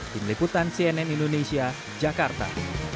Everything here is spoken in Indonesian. tim liputan cnn indonesia jakarta